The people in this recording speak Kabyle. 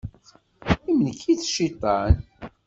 Yemlek-itt cciṭan.